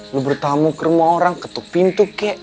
lo bertamu ke rumah orang ketuk pintu kek